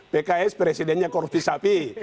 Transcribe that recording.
pks presidennya korvisapi